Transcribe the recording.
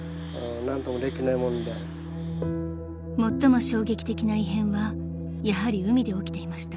［最も衝撃的な異変はやはり海で起きていました］